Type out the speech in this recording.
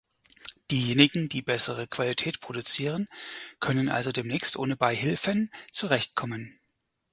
Diejenigen, die bessere Qualität produzieren, können also demnächst ohne Beihilfen zurechtkommen.